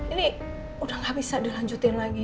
ini udah gak bisa dilanjutin lagi